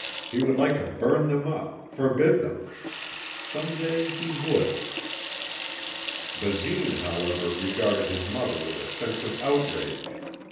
He would like to burn them up, forbid them. Someday he would. Basine, however regarded his mother with a sense of outrage.